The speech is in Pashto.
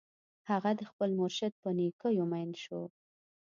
هغه د خپل مرشد په نېکیو مین شو